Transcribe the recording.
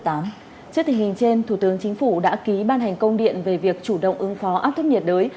trước tình hình trên thủ tướng chính phủ đã ký ban hành công điện về việc chủ động ứng phó áp thấp nhiệt đới